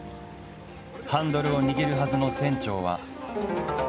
ハンドルを握るはずの船長は。